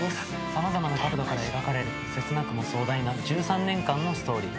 様々な角度から描かれる切なくも壮大な１３年間のストーリー。